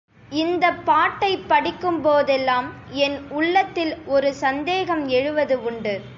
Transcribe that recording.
இந்தப் பாட்டைப் படிக்கும் போதெல்லாம் என் உள்ளத்தில் ஒரு சந்தேகம் எழுவது உண்டு.